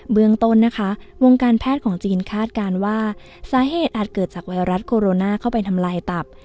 เมืองต้นนะคะวงการแพทย์ของจีนคาดการณ์ว่าสาเหตุอาจเกิดจากไวรัสโคโรนาเข้าไปทำลายตับ